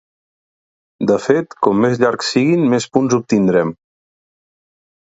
De fet, com més llargs siguin més punts obtindrem.